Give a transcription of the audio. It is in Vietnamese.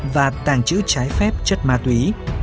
và tàng trữ trái phép chất ma túy